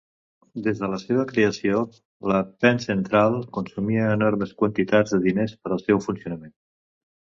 Des de la seva creació, la Penn Central consumia enormes quantitats de diners per al seu funcionament.